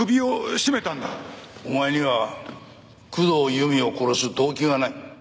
お前には工藤由美を殺す動機がない。